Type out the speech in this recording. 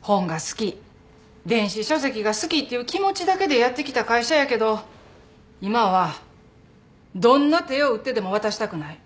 本が好き電子書籍が好きっていう気持ちだけでやってきた会社やけど今はどんな手を打ってでも渡したくない。